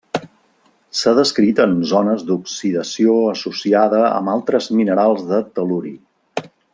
S'ha descrit en zones d'oxidació associada amb altres minerals de tel·luri.